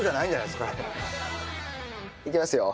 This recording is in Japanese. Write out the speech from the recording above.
いきますよ。